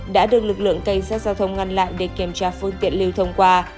đã được lực lượng cảnh sát giao thông ngăn lại để kiểm tra phương tiện lưu thông qua